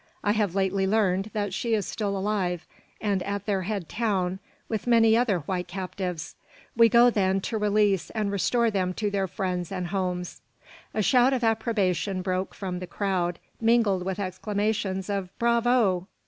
I have lately learned that she is still alive, and at their head town with many other white captives. We go, then, to release and restore them to their friends and homes." A shout of approbation broke from the crowd, mingled with exclamations of "Bravo!"